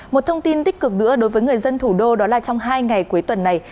một thông tin tích cực nữa đối với người dân thủ đô đó là trong hai ngày cuối tuần này